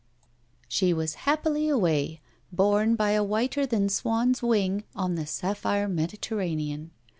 She was happily away, borne by a whiter than swan's wing on the sapphire Mediterranean.